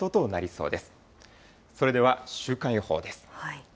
それでは週間予報です。